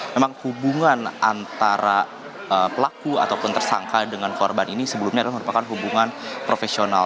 memang hubungan antara pelaku ataupun tersangka dengan korban ini sebelumnya adalah merupakan hubungan profesional